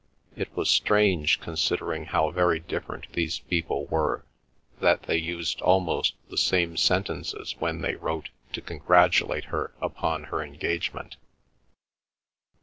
It was strange, considering how very different these people were, that they used almost the same sentences when they wrote to congratulate her upon her engagement.